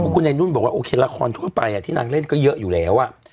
คุณไอ้นุ่นบอกว่าโอเคละครทั่วไปที่นางเล่นก็เยอะอยู่แล้ว